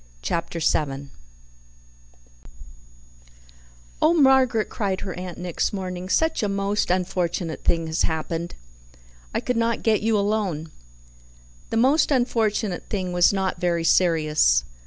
Chapter 7 "Oh, Margaret," cried her aunt next morning, "such a most unfortunate thing has happened. I could not get you alone." The most unfortunate thing was not very serious.